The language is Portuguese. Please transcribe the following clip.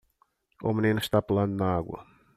Um menino está pulando na água